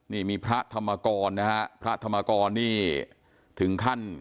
นี่มีพระธรรมกรนะฮะพระธรรมกรนี่ถึงขั้น